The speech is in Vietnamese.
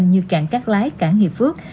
như cảng cát lái cảng hiệp phước